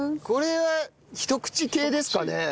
これはひと口系ですかね？